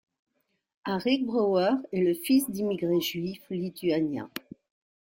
Arik Brauer est le fils d'immigrés juifs lituaniens.